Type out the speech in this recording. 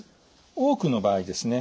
多くの場合ですね